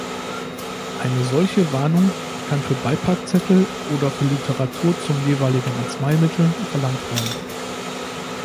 Eine solche Warnung kann für Beipackzettel oder für Literatur zum jeweiligen Arzneimittel verlangt werden.